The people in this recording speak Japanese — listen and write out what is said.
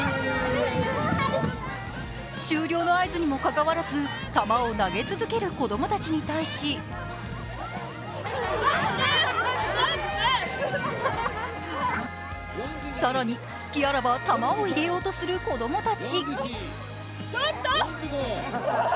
終了の合図にもかかわらず玉を投げ続ける子供たちに対し更に隙あらば玉を入れようとする子供たち。